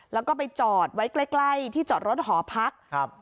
แล้วก็ไปจอดไว้ใกล้ที่จอดรถหอพักครับ